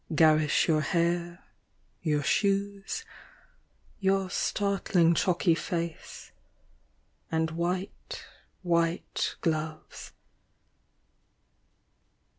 Garish your hair, your shoes, your startling chalky face, And white, white gloves.